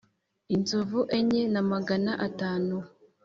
Inzovu Enye Na Magana Atanu